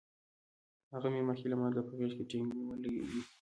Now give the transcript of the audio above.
هغه مې مخکې له مرګه په غېږ کې ټینګ نیولی وی